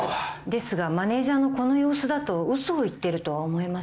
ですがマネジャーのこの様子だと嘘を言っているとは思えません。